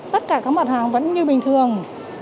tất cả các mặt hàng vẫn như bình thường